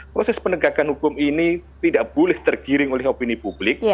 proses penegakan hukum ini tidak boleh tergiring oleh opini publik